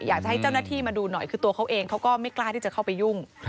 อยากจะให้เจ้าหน้าที่มาดูหน่อยคือตัวเขาเองเขาก็ไม่กล้าที่จะเข้าไปยุ่ง